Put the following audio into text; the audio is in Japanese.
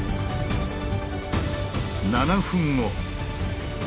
７分後。